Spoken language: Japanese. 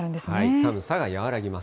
寒さが和らぎます。